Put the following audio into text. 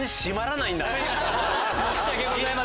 申し訳ございません。